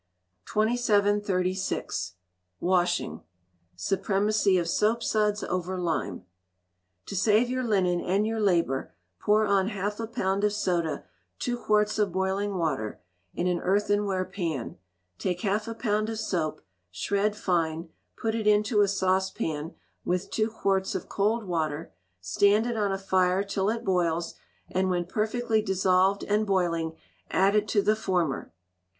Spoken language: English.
2736. Washing. (Supremacy of Soapsuds over Lime). To save your linen and your labour, pour on half a pound of soda two quarts of boiling water, in an earthenware pan; take half a pound of soap, shred fine; put it into a saucepan with two quarts of cold water; stand it on a fire till it boils; and when perfectly dissolved and boiling, add it to the former.